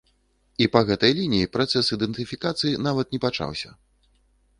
І па гэтай лініі працэс ідэнтыфікацыі нават не пачаўся.